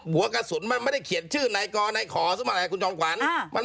หัวกระสุนมันไม่ได้เขียนชื่อไหนกอไหนขอซึ่งมาแหลก